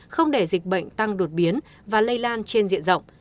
không để dịch bệnh tăng đột biến và lây lan trên diện rộng